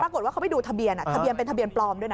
ปรากฏว่าเขาไปดูทะเบียนทะเบียนเป็นทะเบียนปลอมด้วยนะ